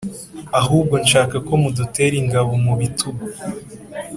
ahubwo nshaka ko mudutera ingabo mubitugu